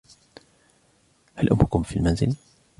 هل أمكم في المنزل؟